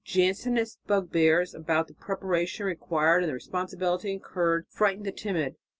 Jansenist bugbears about the preparation required and the responsibility incurred frightened the timid.